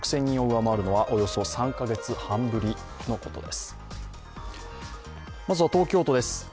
６０００人を上回るのはおよそ３カ月半ぶりのことです。